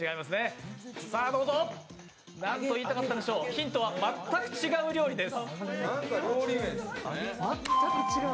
ヒントは全く違う料理です。